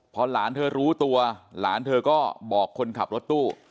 พอหลานเธอรู้ตัวหลานเธอก็บอกคนขับรถตู้